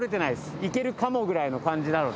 いけるかもぐらいの感じなので。